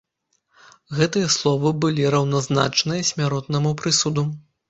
Гэтыя словы былі раўназначныя смяротнаму прысуду.